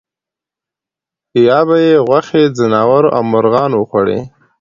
یا به یې غوښې ځناورو او مرغانو وخوړې.